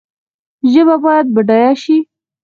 ژبه باید بډایه شي